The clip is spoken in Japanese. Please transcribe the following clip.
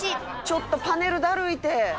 「ちょっとパネルだるいって！」